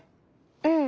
うん！